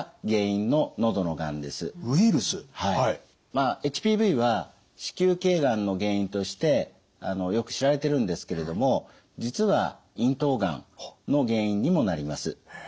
まあＨＰＶは子宮頸がんの原因としてよく知られてるんですけれども実は咽頭がんの原因にもなります。